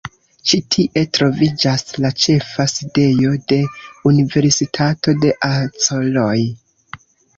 Ĉi tie troviĝas la ĉefa sidejo de Universitato de Acoroj.